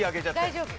大丈夫。